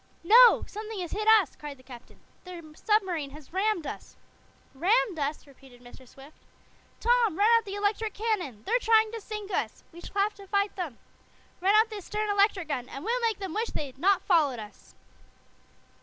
"No. Something has hit us," cried the captain. "Their submarine has rammed us." "Rammed us!" repeated Mr. Swift. "Tom, run out the electric cannon! They're trying to sink us! We'll have to fight them. Run out the stern electric gun and we'll make them wish they'd not followed us."